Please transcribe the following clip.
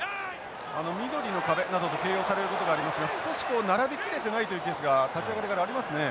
緑の壁などと形容されることがありますが少し並び切れてないというケースが立ち上がりからありますね。